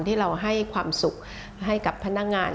ที่เราให้ความสุขให้กับพนักงาน